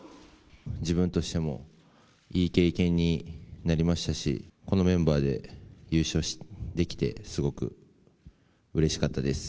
自分としても、いい経験になりましたし、このメンバーで優勝できて、すごくうれしかったです。